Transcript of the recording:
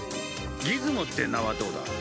ギズモって名はどうだ？